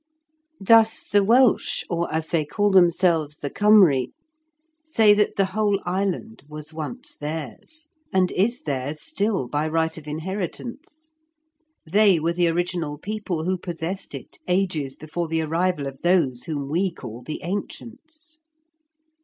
Thus the Welsh, or, as they call themselves, the Cymry, say that the whole island was once theirs, and is theirs still by right of inheritance. They were the original people who possessed it ages before the arrival of those whom we call the ancients.